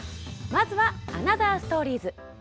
まずは「アナザーストーリーズ」。